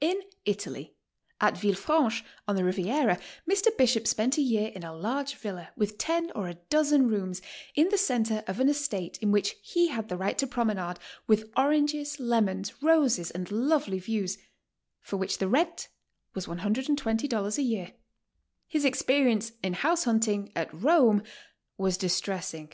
IN ITALY: At Villefranche, on the Riviera, Mr. B'khop spent a year in a large villa, with ten or a dozen rooms, in the centre of an estate in which he had the right to promenade. HOW TO STAY. 151 with oranges, lemons, roses and lovely views, for which the rent was $120 a year. His experience in house hunting at Rome was distressing.